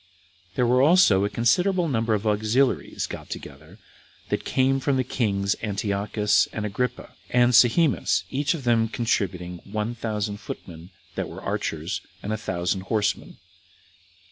There were also a considerable number of auxiliaries got together, that came from the kings Antiochus, and Agrippa, and Sohemus, each of them contributing one thousand footmen that were archers, and a thousand horsemen.